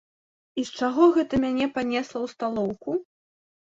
І з чаго гэта мяне панесла ў сталоўку?